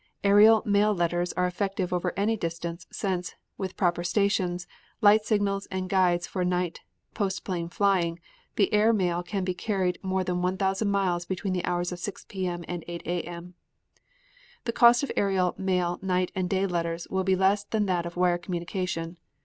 Aerial mail letters are effective over any distance, since, with proper stations, light signals and guides for night postplane flying, the air mail can be carried more than one thousand miles between the hours of 6 P. M. and 8 A. M. The cost of aerial mail night and day letters will be less than that of wire communication.